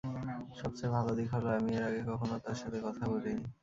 সবচেয়ে ভালো দিক হল আমি এর আগে কখনো তার সাথে কথা বলিনি।